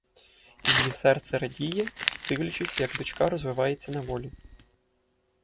Її серце радіє, дивлячись, як дочка розвивається на волі.